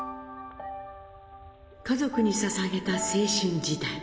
家族にささげた青春時代。